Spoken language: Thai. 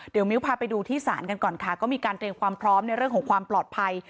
เดี๋ยวมิ้วพาไปดูที่ศาลกันก่อนค่ะก็มีการเตรียมความพร้อมในเรื่องของความปลอดภัย